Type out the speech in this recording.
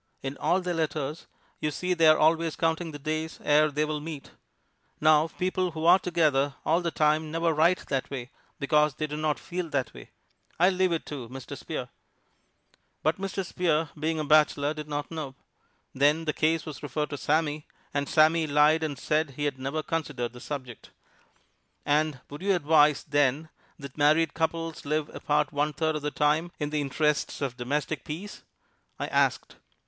In all their letters you see they are always counting the days ere they will meet. Now, people who are together all the time never write that way, because they do not feel that way I'll leave it to Mr. Spear!" But Mr. Spear, being a bachelor, did not know. Then the case was referred to Sammy, and Sammy lied and said he had never considered the subject. "And would you advise, then, that married couples live apart one third of the time, in the interests of domestic peace?" I asked.